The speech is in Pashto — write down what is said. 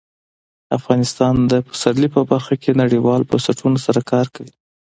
افغانستان د پسرلی په برخه کې نړیوالو بنسټونو سره کار کوي.